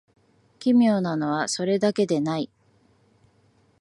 奇怪なのは、それだけでない